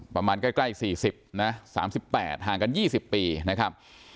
ประมาณใกล้๔๐นะ๓๘ห่างกัน๒๐ปีนะครับ